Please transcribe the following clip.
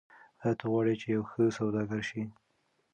آیا ته غواړې چې یو ښه سوداګر شې؟